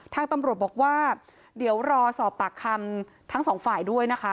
ทางตำรวจบอกว่าเดี๋ยวรอสอบปากคำทั้งสองฝ่ายด้วยนะคะ